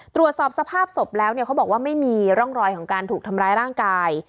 ตรวจสอบสภาพศพแล้วเนี่ยเขาบอกว่าไม่มีร่องรอยของการถูกทำร้ายร่างกาย